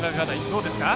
どうですか。